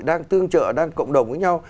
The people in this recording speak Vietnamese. đang tương trợ đang cộng đồng với nhau